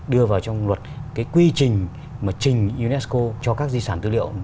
đưa vào trong luật cái quy trình mà trình unesco cho các di sản tư liệu